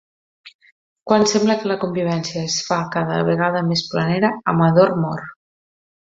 Quan sembla que la convivència es fa cada vegada més planera, Amador mor.